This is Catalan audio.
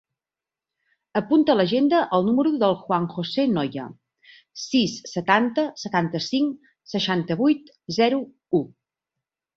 Apunta a l'agenda el número del Juan josé Noya: sis, setanta, setanta-cinc, seixanta-vuit, zero, u.